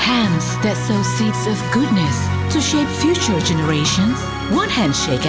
tangan yang menciptakan sebuah kebaikan untuk menciptakan generasi depan satu tangan segera